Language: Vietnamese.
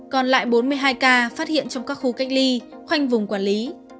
còn lại bốn mươi hai ca phát hiện trong các khu cách ly khoanh vùng quản lý